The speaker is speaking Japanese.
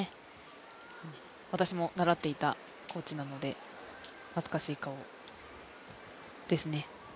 私も習っていたコーチなので、懐かしい顔ですね。